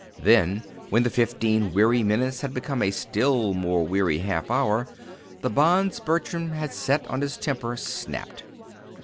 Then when the fifteen weary minutes had become a still more weary half hour, the bonds Bertram had set on his temper snapped.